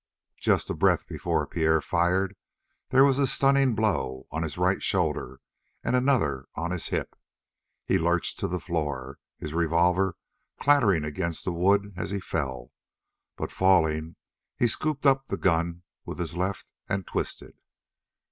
Just a breath before Pierre fired there was a stunning blow on his right shoulder and another on his hip. He lurched to the floor, his revolver clattering against the wood as he fell, but falling, he scooped up the gun with his left and twisted.